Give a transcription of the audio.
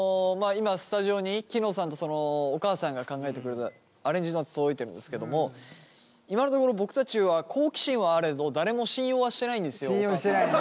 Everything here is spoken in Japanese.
今スタジオにきのさんとそのお母さんが考えてくれたアレンジドーナツ届いてるんですけども今のところ僕たちは好奇心はあれど誰も信用はしてないんですよお母さん。